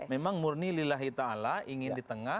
memang murni lillahi ta'ala ingin di tengah